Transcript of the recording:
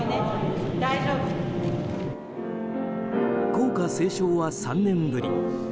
校歌斉唱は３年ぶり。